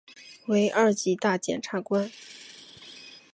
为二级大检察官。